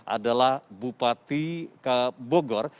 adalah bupati bogor